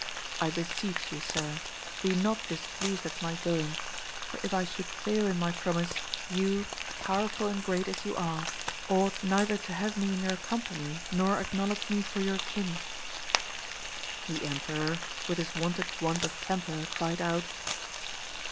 I beseech you, sir, be not displeased at my going, for if I should fail in my promise, you, powerful and great as you are, ought neither to have me in your company, nor acknowledge me for your kin. The emperor, with his wonted want of temper, cried out.